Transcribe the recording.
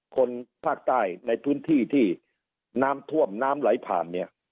คนภาคใต้ในพื้นที่ที่น้ำท่วมน้ำไหลผ่านเนี่ย